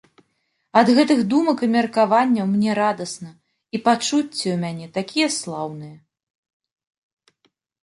Ад гэтых думак і меркаванняў мне радасна і пачуцці ў мяне такія слаўныя.